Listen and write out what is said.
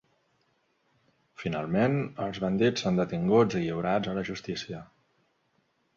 Finalment, els bandits són detinguts i lliurats a la justícia.